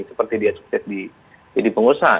seperti dia sukses jadi pengusaha